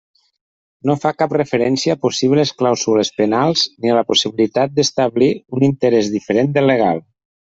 No fa cap referència a possibles clàusules penals ni a la possibilitat d'establir un interès diferent del legal.